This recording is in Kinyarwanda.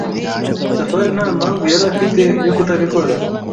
Safari nta mpamvu yari afite yo kutabikora.